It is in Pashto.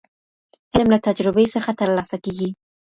علم له تجربې څخه ترلاسه کيږي.